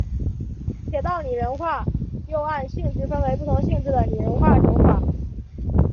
铁道拟人化又按性质分为不同类型的拟人化手法。